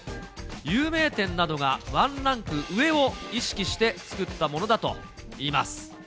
有名店などがワンランク上を意識して、作ったものだといいます。